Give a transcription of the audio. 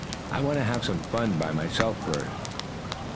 "I want to have some fun by myself first."